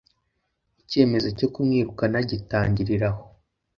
icyemezo cyo kumwirukana gitangiriraho